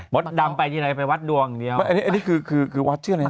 วัดดำไปที่ไหนไปวัดดวงเดียวอันนี้อันนี้คือคือคือวัดชื่ออะไร